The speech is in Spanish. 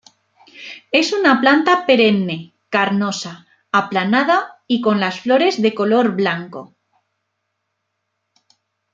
Es una planta perenne carnosa, aplanada y con las flores de color blanco.